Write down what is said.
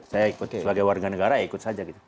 saya ikut sebagai warga negara ikut saja